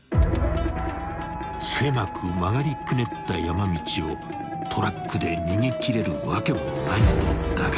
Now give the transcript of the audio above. ［狭く曲がりくねった山道をトラックで逃げ切れるわけもないのだが］